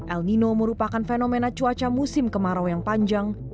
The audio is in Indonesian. el nino merupakan fenomena cuaca musim kemarau yang panjang